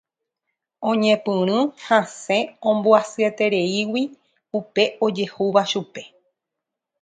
Oñepyrũ hasẽ ombyasyetereígui upe ojehúva chupe.